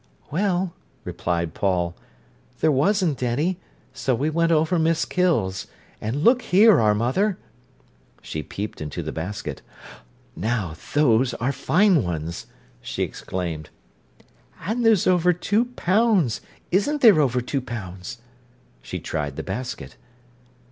"Well," replied Paul, "there wasn't any, so we went over Misk Hills. And look here, our mother!" She peeped into the basket. "Now, those are fine ones!" she exclaimed. "And there's over two pounds—isn't there over two pounds"? She tried the basket.